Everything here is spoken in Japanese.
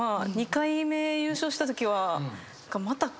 ２回目優勝したときは。